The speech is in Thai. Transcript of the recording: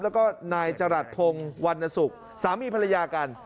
แล้วก็นายจรัสพงศ์วรรณสุขสามีภรรยากัน